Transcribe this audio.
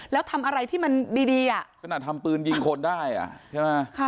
แล้วทำอะไรที่มันดีดีอ่ะขนาดทำปืนยิงคนได้อ่ะใช่ไหม